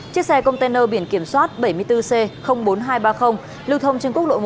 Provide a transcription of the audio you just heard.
chiếc xe container biển kiểm soát bảy mươi bốn c bốn nghìn hai trăm ba mươi lưu thông trên quốc lộ một